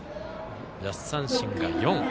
奪三振が４。